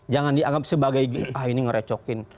jangan dianggap sebagai ah ini ngerecokin